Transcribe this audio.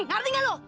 ngerti nggak lu